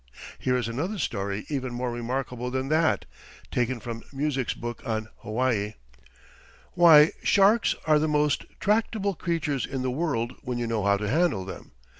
Here is another story even more remarkable than that, taken from Musick's book on Hawaii: "Why, sharks are the most tractable creatures in the world when you know how to handle them.